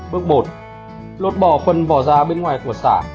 bước một lột bỏ phần vỏ da bên ngoài của xả